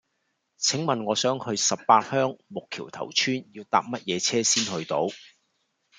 請問我想去十八鄉木橋頭村要搭乜嘢車先去到